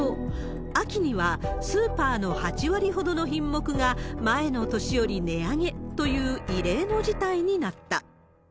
秋にはスーパーの８割ほどの品目が前の年より値上げという、異例の事態になった。